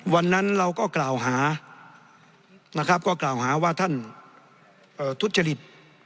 วันนั้นเราก็กล่าวหาว่าท่านทุจริต